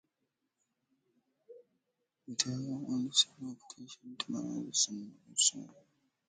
It will facilitate a better understanding of the potential demand, existing competition, and opportunities.